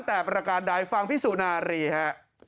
แต่ประการใดฟังพี่สุนารีฮะ